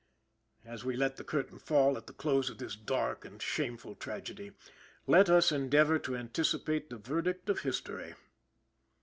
As we let fall the curtain at the close of this dark and shameful tragedy, let us endeavor to anticipate the verdict of history.